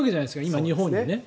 今、日本にね。